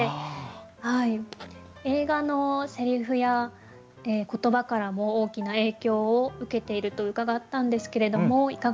映画のセリフや言葉からも大きな影響を受けていると伺ったんですけれどもいかがですか？